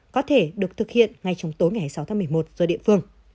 có thể được thực hiện ngay trong tối ngày sáu tháng một mươi một do địa phương